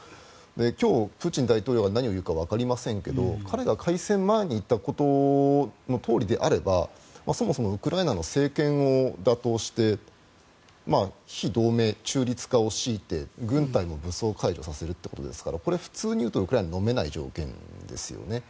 今日、プーチン大統領が何を言うかわかりませんが彼が開戦前に言ったことのとおりであればそもそもウクライナの政権を打倒して非同盟、中立化を強いて軍隊も武装解除させるっていうことですからこれは普通に言うとウクライナのめない条件ですよね。